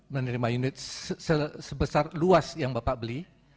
menerima unit sebesar luas yang bapak beli